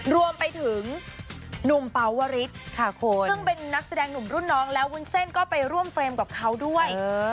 รวมไปถึงหนุ่มเป๋าวริสซึ่งเป็นนักแสดงหนุ่มรุ่นน้องแล้ววุ้นเส้นก็ไปร่วมเฟรมกับเขาด้วย